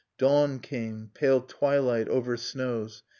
. Dawn came, pale twilight over snows.